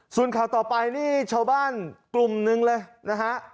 ส่วนข่าวต่อไปนี่ชาวบ้านกลุ่มหนึ่งเลยนะฮะ